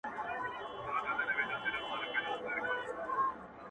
قومندان سره خبري کوي او څه پوښتني کوي,